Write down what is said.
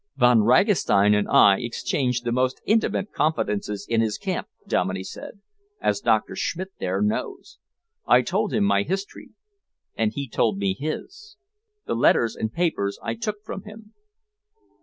"Von Ragastein and I exchanged the most intimate confidences in his camp," Dominey said, "as Doctor Schmidt there knows. I told him my history, and he told me his. The letters and papers I took from him."